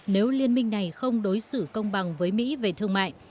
nếu liên minh này không đối xử công bằng với mỹ về thương mại